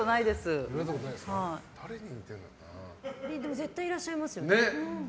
でも絶対いらっしゃいますよね。